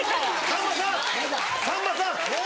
さんまさん！